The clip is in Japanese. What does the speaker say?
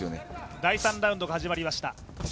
第３ラウンドが始まりました